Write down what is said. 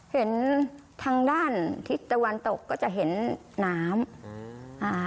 เห็นทางด้านที่ตะวันตกก็จะเห็นน้ำ